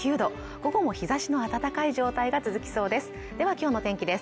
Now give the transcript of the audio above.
午後も日差しの暖かい状態が続きそうですでは今日の天気です